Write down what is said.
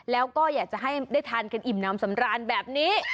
แล้วก็อยากจะให้ได้ทานกันอิ่มน้ำสำราญแบบนี้